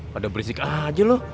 padahal berisik aja lu